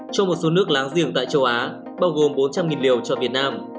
cho một số nước láng giềng tại châu á bao gồm bốn trăm linh liều cho việt nam